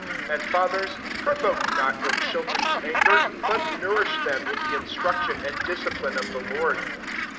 4 And, fathers, provoke not your children to anger ; but nourish them in the instruction and discipline of the Lord.